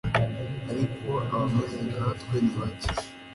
Ariko abameze nkatwe ni bake